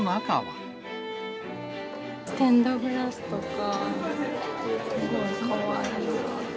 ステンドグラスとか、すごいかわいいなって。